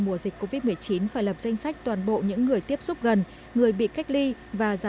mùa dịch covid một mươi chín phải lập danh sách toàn bộ những người tiếp xúc gần người bị cách ly và gia